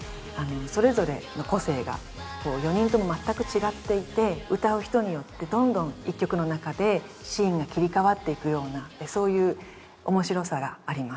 それぞれの個性が４人とも全く違っていて歌う人によってどんどん一曲の中でシーンが切り替わっていくようなそういう面白さがあります